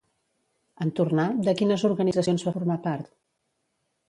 En tornar, de quines organitzacions va formar part?